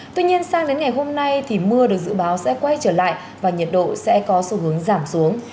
tuy nhiên sang đến ngày hôm nay thì mưa được dự báo sẽ quay trở lại và nhiệt độ sẽ có xu hướng giảm xuống